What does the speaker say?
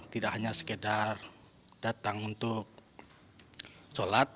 tidak hanya sekedar datang untuk sholat